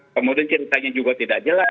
kemudian ceritanya juga tidak jelas